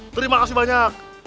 terima kasih banyak